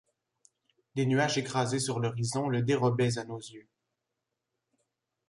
Des nuages écrasés sur l’horizon le dérobaient à nos yeux.